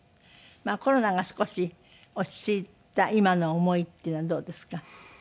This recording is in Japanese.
コロナが少し落ち着いた今の思いっていうのはどうですか？